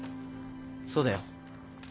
そうだよ。